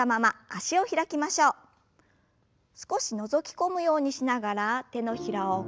少しのぞき込むようにしながら手のひらを返して腕を前に。